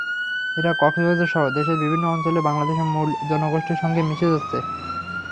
এরা কক্সবাজারসহ দেশের বিভিন্ন অঞ্চলে বাংলাদেশের মূল জনগোষ্ঠীর সঙ্গে মিশে যাচ্ছে।